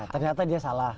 ternyata dia salah